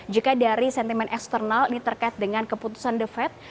jika dari sentimen eksternal ini terkait dengan keputusan the fed